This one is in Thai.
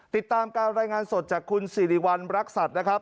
ติดตามการรายงานสดจากคุณสิริวัณรักษัตริย์นะครับ